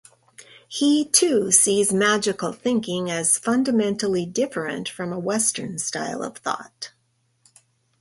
He too sees magical thinking as fundamentally different from a Western style of thought.